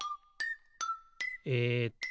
えっと